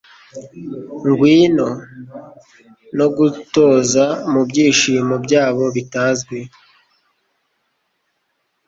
ngwino !!! no kugutoza mubyishimo byabo bitazwi